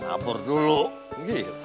ngapur dulu gila